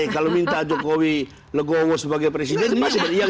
kalau minta jokowi legowo sebagai presiden